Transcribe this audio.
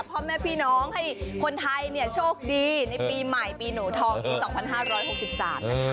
พ่อแม่พี่น้องให้คนไทยเนี่ยโชคดีในปีใหม่ปีหนูทองปี๒๕๖๓นะคะ